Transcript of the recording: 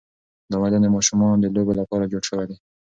دا میدان د ماشومانو د لوبو لپاره جوړ شوی دی.